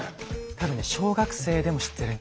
多分ね小学生でも知ってる。